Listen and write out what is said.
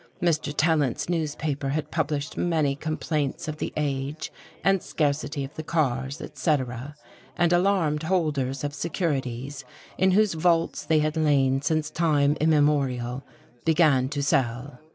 Mr. Tallant's newspaper had published many complaints of the age and scarcity of the cars, etc.; and alarmed holders of securities, in whose vaults they had lain since time immemorial, began to sell....